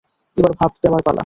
এবার ভাঁপ দেওয়ার পালা।